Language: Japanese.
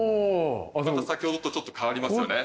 先ほどとちょっと変わりますよね。